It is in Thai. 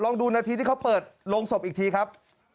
ดูนาทีที่เขาเปิดโรงศพอีกทีครับ